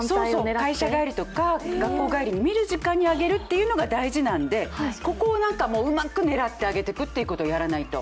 会社帰りとか、学校帰りに見る時間っていうのが大事なのでここをうまく狙って上げてくということをやらないと。